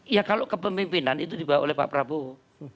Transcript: ya kalau kepemimpinan itu dibawa oleh pak prabowo